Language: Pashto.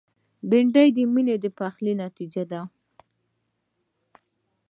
بېنډۍ د میني پخلي نتیجه ده